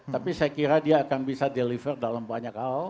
tapi saya kira dia akan bisa deliver dalam banyak hal